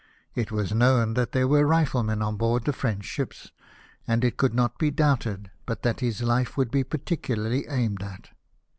It was knoAvn that there were rifle men on board the French ships ; and it could not be doubted but that his Hfe would be particularly aimed at.